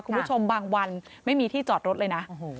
คุณผู้ชมบางวันไม่มีที่จอดรถเลยนะ